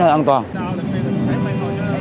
chào đồng bào đồng bào